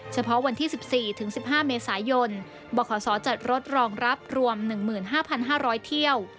เฉพาะวันที่๑๔ถึง๑๕เมษายนบขจัดรถรองรับรวม๑๕๕๐๐เที่ยว